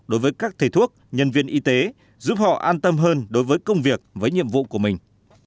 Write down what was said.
đối với các thầy thuốc nhân viên y tế giúp họ an tâm hơn đối với công việc với nhiệm vụ của mình